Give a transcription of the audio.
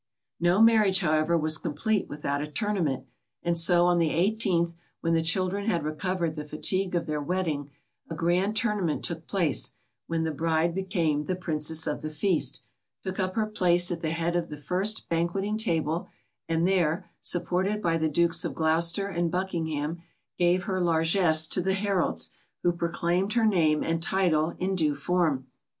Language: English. No marriage, however, was complete without a tournament, and so on the 18th, when the children had recovered the fatigue of their wedding, a grand tournament took place, when the bride became the "Princess of the Feast," took up her place at the head of the first banqueting table, and there, supported by the Dukes of Gloucester and Buckingham, gave her largesse to the heralds, who proclaimed her name and title in due form.